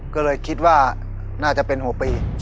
ก็เลยคิดว่าน่าจะเป็น๖ปี